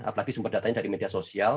apalagi sumber datanya dari media sosial